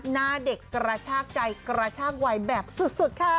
หน้าเด็กกระชากใจกระชากวัยแบบสุดค่ะ